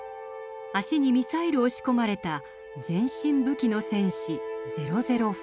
脚にミサイルを仕込まれた全身武器の戦士００４。